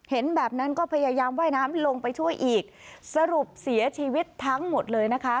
เห็นแบบนั้นก็พยายามว่ายน้ำลงไปช่วยอีกสรุปเสียชีวิตทั้งหมดเลยนะคะ